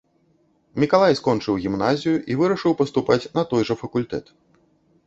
Мікалай скончыў гімназію і вырашыў паступаць на той жа факультэт.